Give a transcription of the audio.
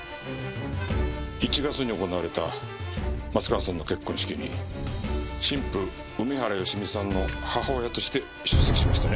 １月に行われた松川さんの結婚式に新婦梅原芳美さんの母親として出席しましたね。